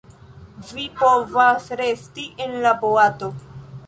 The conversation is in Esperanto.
Vi povas resti en la boato.